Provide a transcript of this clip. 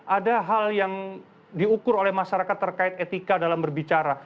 ada hal yang diukur oleh masyarakat terkait etika dalam berbicara